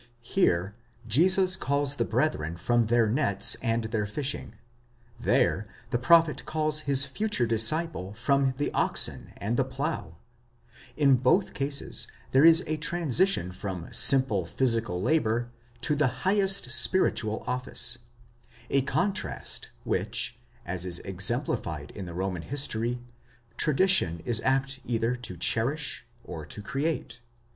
Here Jesus calls the brethren from their nets and their fishing ; there the prophet calls his future disciple from the oxen and the plough ; in both cases there is a transition from simple phy sical labour to the highest spiritual office—a contrast which, as is exemplified in the Roman history, tradition is apt either to cherish or to create.